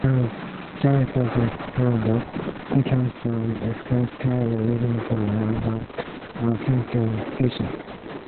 Carrying Scudder's pocket-book, he catches an express train leaving from London Saint Pancras station.